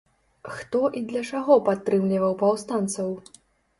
Хто і для чаго падтрымліваў паўстанцаў?